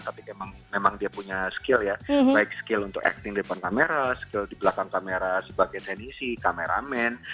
tapi memang dia punya skill ya baik skill untuk acting di depan kamera skill di belakang kamera sebagian sandisi kameramen